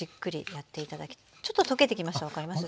ちょっと溶けてきました分かります？